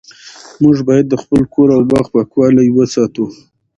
موږ باید د خپل کور او باغ پاکوالی وساتو